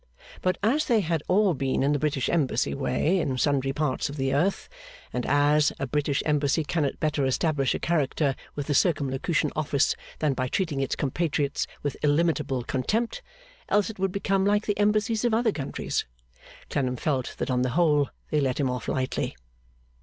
But, as they had all been in the British Embassy way in sundry parts of the earth, and as a British Embassy cannot better establish a character with the Circumlocution Office than by treating its compatriots with illimitable contempt (else it would become like the Embassies of other countries), Clennam felt that on the whole they let him off lightly.